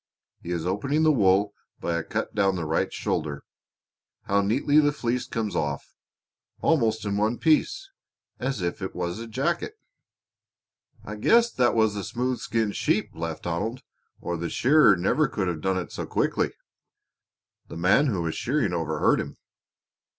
He is opening the wool by a cut down the right shoulder. How neatly the fleece comes off almost in one piece, as if it was a jacket!" "I guess that was a smooth skinned sheep," laughed Donald, "or the shearer never could have done it so quickly." The man who was shearing overheard him.